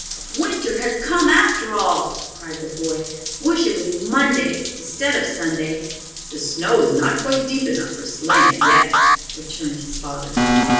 "Winter has come after all!" cried the boy. "Wish it was Monday instead of Sunday." "The snow is not quite deep enough for sleighing yet," returned his father.